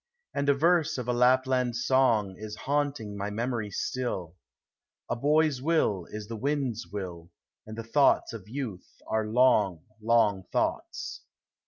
And a verse of a Lapland song Is haunting my memory still : "A boy's will is the wind's will, And the thoughts of youth are long, long thoughts."